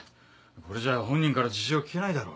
これじゃ本人から事情聴けないだろ。